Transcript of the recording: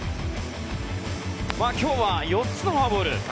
今日は４つのフォアボール。